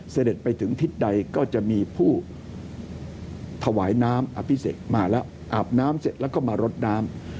เสด็จไปถึงทิศใดก็จะมีผู้ถวายน้ำอภิเษกมาแล้วอาบน้ำเสร็จแล้วก็มารดน้ำ